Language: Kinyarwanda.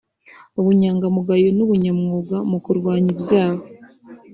ubunyamugayo n’ubunyamwuga mu kurwanya ibyaha